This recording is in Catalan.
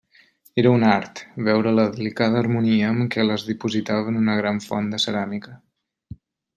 Era un art veure la delicada harmonia amb què les dipositava en una gran font de ceràmica.